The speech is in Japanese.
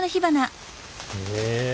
へえ。